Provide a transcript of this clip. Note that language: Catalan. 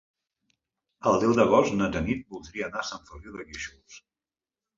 El deu d'agost na Tanit voldria anar a Sant Feliu de Guíxols.